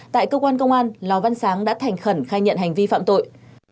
tại cơ quan công an lò văn sáng đã thành khẩn khai nhận hành vi phạm tội